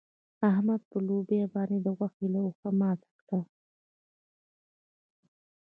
احمد پر لوبيا باندې د غوښې لوهه ماته کړه.